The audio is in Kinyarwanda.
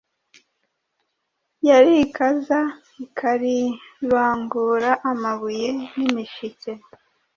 Yarikaza ikaribangura amabuye nimishike